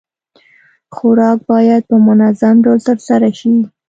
خوراک بايد په منظم ډول ترسره شي.